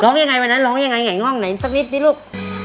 ร้องยังไงวันนั้นร้องยังไหง่ง้องหน่อยซักนิดสิลูก